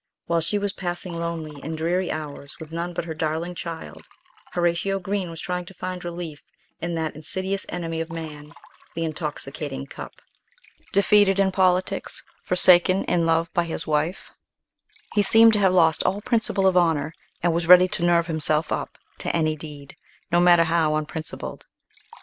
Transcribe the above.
While she was passing lonely and dreary hours with none but her darling child, Horatio Green was trying to find relief in that insidious enemy of man, the intoxicating cup. Defeated in politics, forsaken in love by his wife, he seemed to have lost all principle of honour, and was ready to nerve himself up to any deed, no matter how unprincipled.